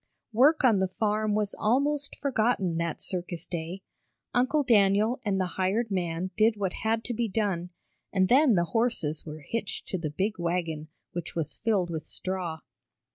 Work on the farm was almost forgotten that circus day. Uncle Daniel and the hired man did what had to be done, and then the horses were hitched to the big wagon, which was filled with straw.